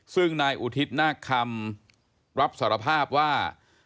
ซึ่งนายอุทิศนาคคำรับสารภาพว่า